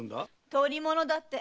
捕り物だって！